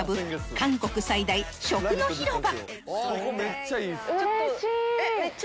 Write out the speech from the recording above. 韓国最大食の広場